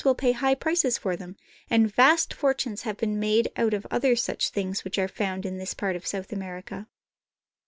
will pay high prices for them, and vast fortunes have been made out of other such things which are found in this part of South America.